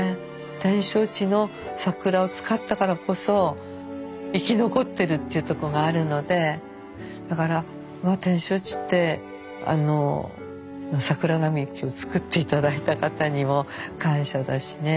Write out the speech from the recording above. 展勝地の桜を使ったからこそ生き残ってるっていうとこがあるのでだから展勝地って桜並木を作って頂いた方にも感謝だしね。